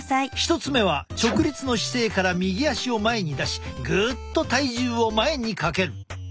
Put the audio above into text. １つ目は直立の姿勢から右足を前に出しぐっと体重を前にかける。